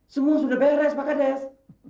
semua sudah beres pak kades